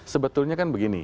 sebetulnya kan begini